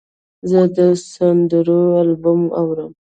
زه د سندرو البوم اورم.